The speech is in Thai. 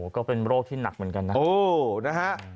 ก็เป็นโรคที่หนักเหมือนกันนะ